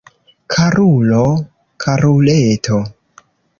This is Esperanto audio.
Karulo, karuleto!